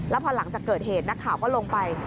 แล้วพอหลังจากเกิดเหตุนักข่าวก็ลงไป